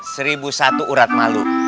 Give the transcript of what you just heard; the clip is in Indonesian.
seribu satu urat malu